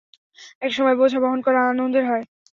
একটা সময় বোঝা বহন করা আনন্দের হয়।